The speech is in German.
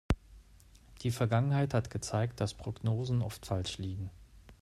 Die Vergangenheit hat gezeigt, dass Prognosen oft falsch liegen.